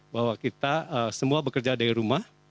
bahwa kita semua bekerja dari rumah